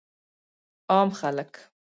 عام خلک